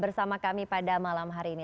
bersama kami pada malam hari ini